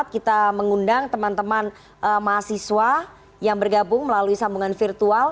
kita mengundang teman teman mahasiswa yang bergabung melalui sambungan virtual